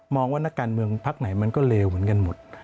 ว่านักการเมืองพักไหนมันก็เลวเหมือนกันหมด